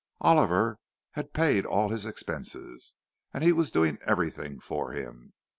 Oliver had paid all his expenses; he was doing everything for him.